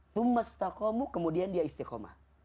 thumma staqomu kemudian dia istiqomah